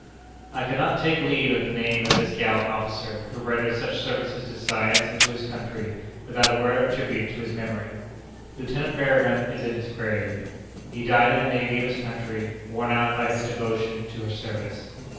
I cannot take leave of the name of this gallant officer, who rendered such services to science and to his country, without a word of tribute to his memory. Lieutenant Berryman is in his grave. He died in the navy of his country, worn out by his devotion to her service.